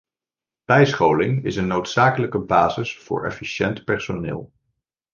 Bijscholing is een noodzakelijke basis voor efficiënt personeel.